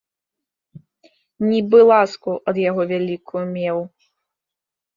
Нібы ласку ад яго вялікую меў.